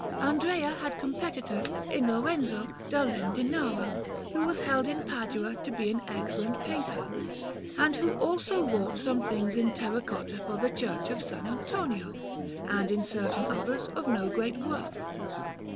Andrea had competitors in Lorenzo da Lendinara who was held in Padua to be an excellent painter, and who also wrought some things in terra cotta for the Church of S. Antonio and in certain others of no great worth.